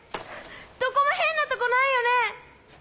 どこも変なとこないよね？